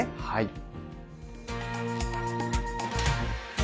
はい。